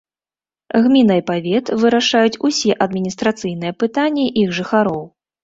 Гміна і павет вырашаюць усе адміністрацыйныя пытанні іх жыхароў.